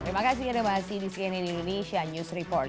terima kasih ada bahas di cnn indonesia news report